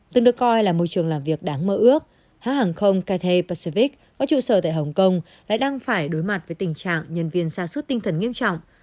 tương đối coi là môi trường làm việc đáng mơ ước hãng hàng không cathay pacific có trụ sở tại hồng kông lại đang phải đối mặt với tình trạng nhân viên xa suốt tinh thần nghiêm trọng